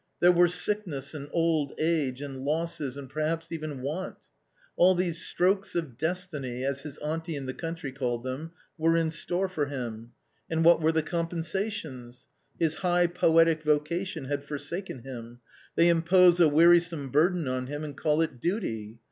There were sickness and old age, and losses and perhaps even want. All these strokes of destiny, as his auntie in the country called them, were in store for him ; and what were the compensations ? His high poetic vocation had forsaken him ; they impose a wearisome burden on him, and call it duty